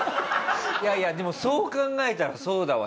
いやいやでもそう考えたらそうだわ。